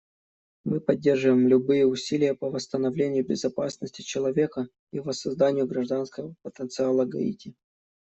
Мы поддерживаем любые усилия по восстановлению безопасности человека и воссозданию гражданского потенциала Гаити.